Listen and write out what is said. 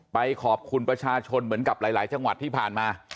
ไปขอบคุณประชาชนเหมือนกับหลายจังหวัดที่ผ่านมา